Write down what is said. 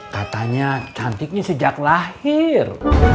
katanya cantiknya sejak lahir